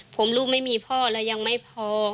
ผมลูกไม่มีพ่อแล้วยังไม่พอ